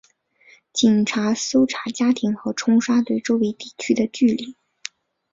警察搜查家庭和冲刷对周围地区的距离。